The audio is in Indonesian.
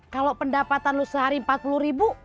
kalau pendapatan lo sehari empat puluh ribu